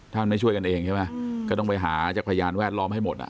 ท่านไม่ช่วยกันเองใช่ไหมก็ต้องไปหาจากพยานแวดล้อมให้หมดอ่ะ